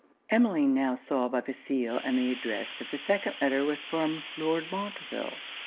Emmeline now saw by the seal and the address that the second letter was from Lord Montreville.